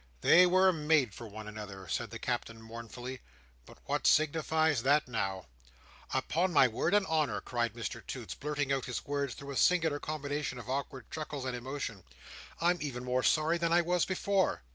"They were made for one another," said the Captain, mournfully; "but what signifies that now!" "Upon my word and honour," cried Mr Toots, blurting out his words through a singular combination of awkward chuckles and emotion, "I'm even more sorry than I was before.